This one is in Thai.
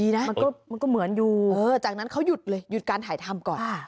มันก็เหมือนอยู่จากนั้นเขาหยุดเลยหยุดการถ่ายทำก่อน